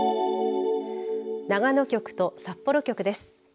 長野局と札幌局です。